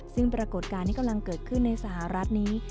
ซึ่งปรากฏการณ์ที่กำลังเกิดขึ้นในสหรัฐนี้